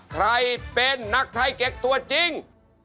ใครเป็นนักไทยเก็กตัวจริง